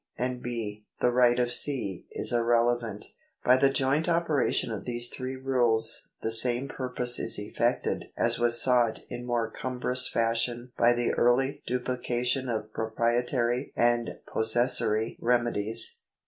and B. the right of C. is irrelevant. By the joint operation of these three rules the same pur pose is effected as was sought in more cumbrous fashion by the early duplication of proprietary and possessory remedies.